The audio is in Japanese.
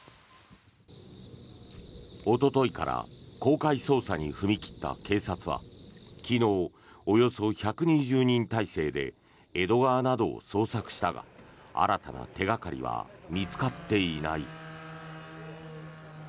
おとといから公開捜査に踏み切った警察は昨日、およそ１２０人態勢で江戸川などを捜索したが新たな手掛かりは見つかっていない。